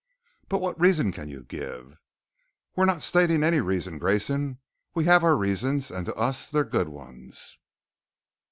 "But what reason can you give " "We're not stating any reasons, Grayson. We have our reasons and to us they're good ones."